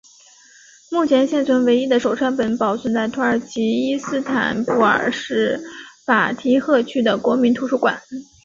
目前现存唯一的手抄本保存在土耳其伊斯坦布尔市法提赫区的国民图书馆。